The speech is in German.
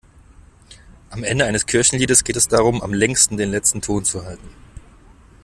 Am Ende eines Kirchenliedes geht es darum, am längsten den letzten Ton zu halten.